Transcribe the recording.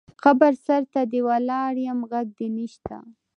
قبر سرته دې ولاړ یم غږ دې نه شــــته